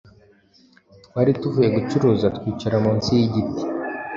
Twari tuvuye gucuruza twicara munsiyigiti